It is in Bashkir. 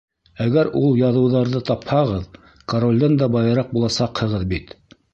Әгәр ул яҙыуҙарҙы тапһағыҙ, королдән дә байыраҡ буласаҡһығыҙ бит!